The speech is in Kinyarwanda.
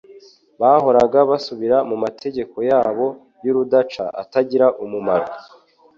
Bahoraga basubira mu mategeko yabo y’urudaca atagira umumaro,